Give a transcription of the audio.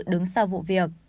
đứng sau vụ việc